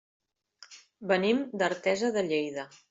Venim d'Artesa de Lleida.